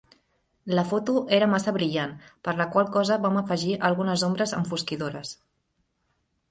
La foto era massa brillant, per la qual cosa vam afegir algunes ombres enfosquidores.